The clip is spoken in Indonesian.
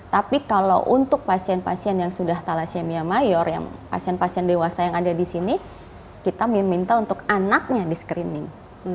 tapi kalau untuk pasien pasien yang sudah thalassemia mayor yang pasien pasien dewasa yang ada di sini kita minta untuk anaknya di screening